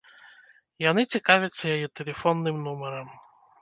Яны цікавяцца яе тэлефонным нумарам.